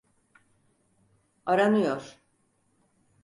Aranıyor.